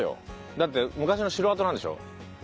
だって昔の城跡なんでしょ？